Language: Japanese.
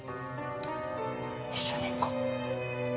一緒に行こう。